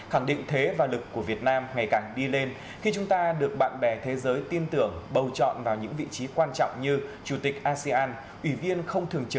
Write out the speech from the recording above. hãy đăng ký kênh để ủng hộ kênh của chúng mình nhé